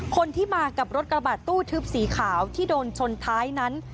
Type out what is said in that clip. คนที่มากับรถกระบาดตู้ทึบสีขาวที่โดนชนท้ายนั้น